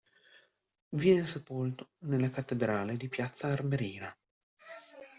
Viene sepolto nella cattedrale di Piazza Armerina.